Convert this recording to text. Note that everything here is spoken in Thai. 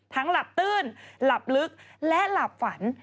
หลับตื้นหลับลึกและหลับฝัน